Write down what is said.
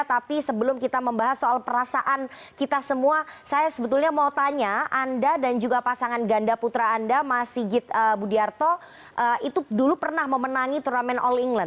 tapi sebelum kita membahas soal perasaan kita semua saya sebetulnya mau tanya anda dan juga pasangan ganda putra anda mas sigit budiarto itu dulu pernah memenangi turnamen all england